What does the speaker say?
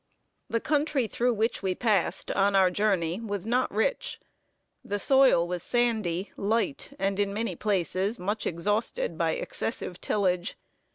The country through which we passed, on our journey, was not rich. The soil was sandy, light, and, in many places, much exhausted by excessive tillage.